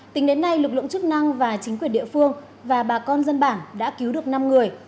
tính đến nay lực lượng chức năng và chính quyền địa phương và bà con dân bản đã cứu được năm người